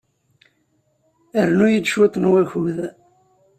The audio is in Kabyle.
Rnu-iyi-d cwiṭ n wakud.